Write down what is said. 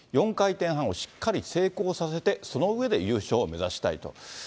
４回転半をしっかり成功させて、その上で優勝を目指したいと。